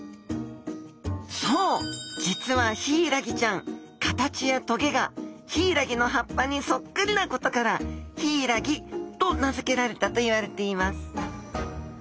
実はヒイラギちゃん形やトゲがヒイラギの葉っぱにそっくりなことからヒイラギと名付けられたといわれています。